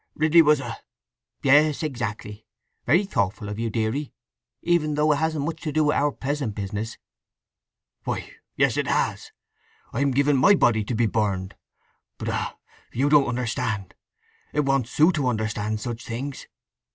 Ridley was a—" "Yes. Exactly. Very thoughtful of you, deary, even though it hasn't much to do with our present business." "Why, yes it has! I'm giving my body to be burned! But—ah you don't understand!—it wants Sue to understand such things!